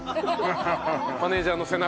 マネージャーの背中。